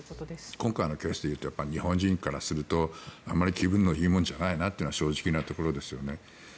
今回のケースでいうと日本人からするとあまり気分のいいものじゃないなというのが正直なところですよね。